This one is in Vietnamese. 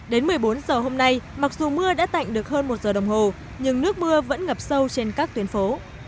đến một mươi bốn giờ hôm nay mặc dù mưa đã tạnh được hơn một giờ đồng hồ nhưng nước mưa vẫn ngập sâu trên các tuyến phố